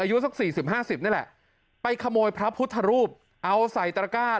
อายุสัก๔๐๕๐นี่แหละไปขโมยพระพุทธรูปเอาใส่ตระกาศ